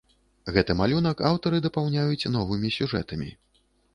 Гэты малюнак аўтары дапаўняюць новымі сюжэтамі.